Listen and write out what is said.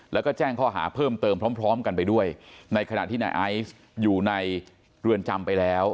แล้วก็แจ้งข้อหาเพิ่มเติมพร้อมกันไปด้วยในขณะที่นายไอซ์อยู่ในเรือนจำไปแล้ว